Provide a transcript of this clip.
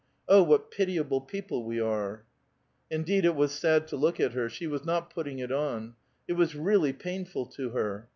Oh, what pitiable people we are !" Indeed, it was sad to look at her. Slie was not putting it on. It was really painful to her.